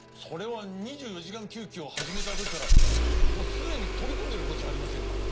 それは２４時間救急を始めたときからもうすでに取り組んでることじゃありませんか。